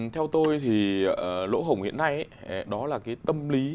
theo tôi thì lỗ hổng hiện nay đó là cái tâm lý